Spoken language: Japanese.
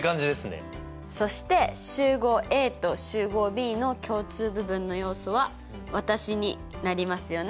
そして集合Ａと集合Ｂの共通部分の要素は私になりますよね。